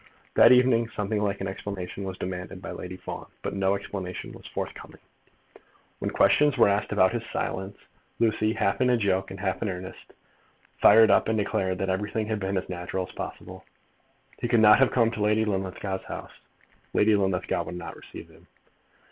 That evening something like an explanation was demanded by Lady Fawn, but no explanation was forthcoming. When questions were asked about his silence, Lucy, half in joke and half in earnest, fired up and declared that everything had been as natural as possible. He could not have come to Lady Linlithgow's house. Lady Linlithgow would not receive him.